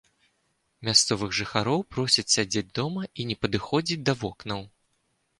Мясцовых жыхароў просяць сядзець дома і не падыходзіць да вокнаў.